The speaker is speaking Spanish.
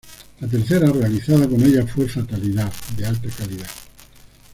La tercera realizada con ella, fue "Fatalidad", de alta calidad.